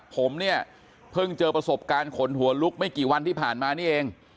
ผมเนี่ยเพิ่งเจอประสบการณ์ขนหัวลุกไม่กี่วันที่ผ่านมานี่เอง